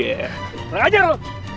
jangan aja lo